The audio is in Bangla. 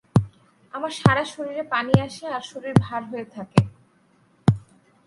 আমার সারা শরীরে পানি আসে আর শরীর ভার হয়ে থাকে।